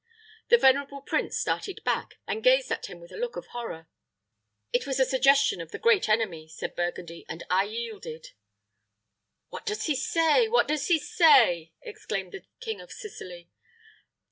The venerable prince started back, and gazed at him with a look of horror. "It was a suggestion of the great enemy," said Burgundy, "and I yielded." "What does he say what does he say?" exclaimed the King of Sicily.